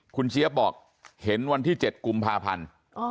คุณเจี๊ยบบอกเห็นวันที่๗กุมภาพันธ์